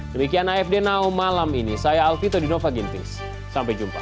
demikian afd now malam ini saya alvito dinova gintings sampai jumpa